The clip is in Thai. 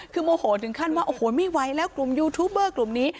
คือโมโหถึงขั้นว่าโอ้โหไม่ไหวแล้วกลุ่มยูทูบเบอร์กลุ่มนี้